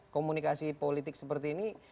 komunikasi politik seperti ini